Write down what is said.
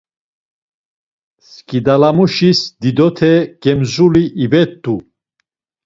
Skidalamuşis didote gemzuli ivet̆u.